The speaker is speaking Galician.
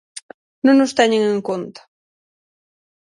Non os teñen en conta.